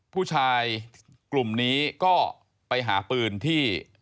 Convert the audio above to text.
ผู้ชายกลุ่มนี้ก็ไปหาปืนที่